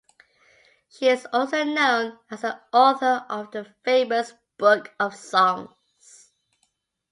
She is also known as the author of the famous Book of Songs.